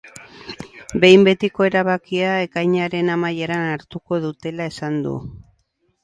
Behin betiko erabakia ekainaren amaieran hartuko dutela esan du.